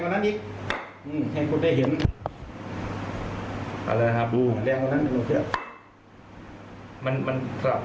ให้คุณได้เห็น